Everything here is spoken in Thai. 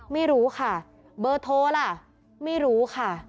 ไม่รู้ค่ะเบอร์โทรล่ะไม่รู้ค่ะ